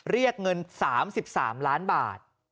เรียกเงิน๓๓ล้านบาท